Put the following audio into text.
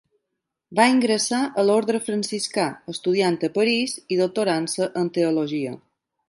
Va ingressar a l'orde franciscà, estudiant a Paris i doctorant-se en teologia.